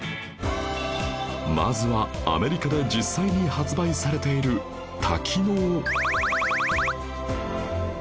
まずはアメリカで実際に発売されている多機能